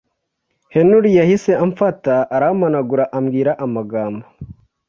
Henry yahise amfata arampanagura ambwira amagambo